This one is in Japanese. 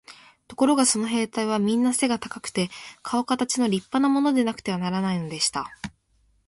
ところがその兵隊はみんな背が高くて、かおかたちの立派なものでなくてはならないのでした。